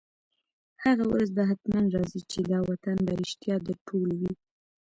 هغه ورځ به حتماً راځي، چي دا وطن به رشتیا د ټولو وي